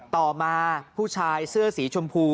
ต่อมาผู้ชายเสื้อสีชมพู